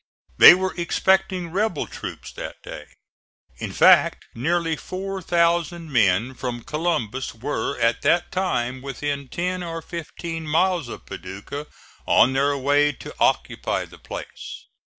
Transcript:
They were expecting rebel troops that day. In fact, nearly four thousand men from Columbus were at that time within ten or fifteen miles of Paducah on their way to occupy the place.